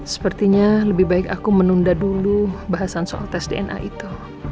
sepertinya lebih baik aku menunda dulu bahasan soal tes dna itu